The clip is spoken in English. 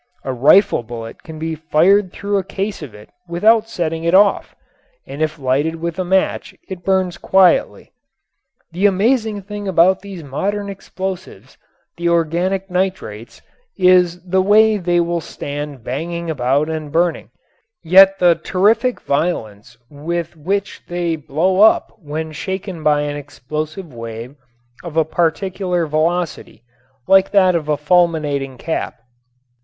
A rifle bullet can be fired through a case of it without setting it off, and if lighted with a match it burns quietly. The amazing thing about these modern explosives, the organic nitrates, is the way they will stand banging about and burning, yet the terrific violence with which they blow up when shaken by an explosive wave of a particular velocity like that of a fulminating cap.